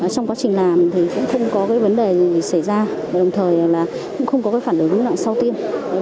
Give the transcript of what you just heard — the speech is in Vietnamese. trong quá trình làm cũng không có vấn đề gì xảy ra đồng thời cũng không có phản ứng lượng sau tiêm